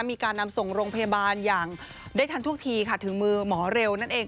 มีการนำส่งโรงพยาบาลอย่างได้ทันทุกทีค่ะถึงมือหมอเร็วนั่นเอง